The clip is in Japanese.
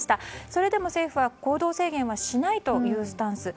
それでも政府は行動制限をしないというスタンス。